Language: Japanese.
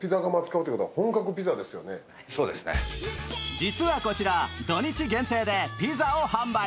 実はこちら土・日限定でピザを販売。